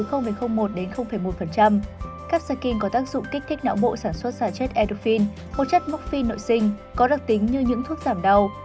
capsicum có tác dụng kích thích não bộ sản xuất sả chết edofin một chất mốc phi nội sinh có đặc tính như những thuốc giảm đau